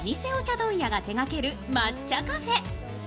問屋が手がける抹茶カフェ。